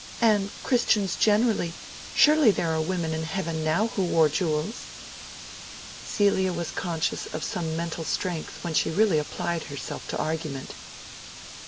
And Christians generally—surely there are women in heaven now who wore jewels." Celia was conscious of some mental strength when she really applied herself to argument.